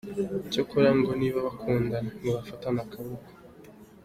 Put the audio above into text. Cyakora ngo niba bakundana, nibafatane akaboko.